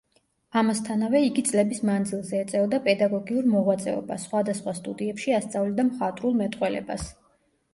ამასთანავე იგი წლების მანძილზე ეწეოდა პედაგოგიურ მოღვაწეობას, სხვადასხვა სტუდიებში ასწავლიდა მხატვრულ მეტყველებას.